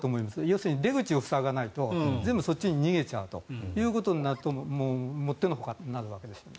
要するに出口を塞がないと全部そっちに逃げちゃうということになるともってのほかになるわけですね。